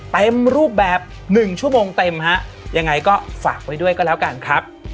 เต็มรูปแบบหนึ่งชั่วโมงเต็มฮะยังไงก็ฝากไว้ด้วยก็แล้วกันครับ